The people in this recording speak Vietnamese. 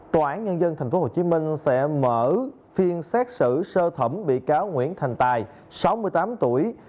tòa án nhân dân tp hcm sẽ mở phiên xét xử sơ thẩm bị cáo nguyễn thành tài sáu mươi tám tuổi